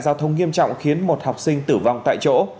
giao thông nghiêm trọng khiến một học sinh tử vong tại chỗ